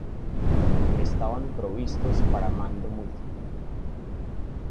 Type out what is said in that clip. Estaban provistos para mando múltiple.